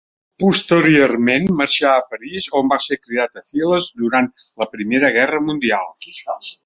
Posteriorment marxà a París, on va ser cridat a files durant la Primera Guerra Mundial.